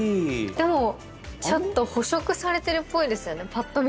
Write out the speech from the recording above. でもちょっと捕食されてるっぽいですよねぱっと見。